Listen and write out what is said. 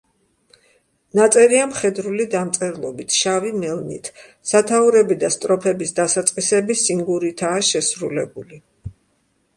ნაწერია მხედრული დამწერლობით, შავი მელნით; სათაურები და სტროფების დასაწყისები სინგურითაა შესრულებული.